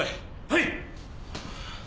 はい！